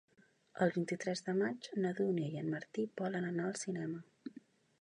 El vint-i-tres de maig na Dúnia i en Martí volen anar al cinema.